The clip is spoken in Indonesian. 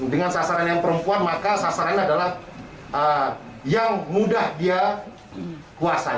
dengan sasaran yang perempuan maka sasarannya adalah yang mudah dia kuasai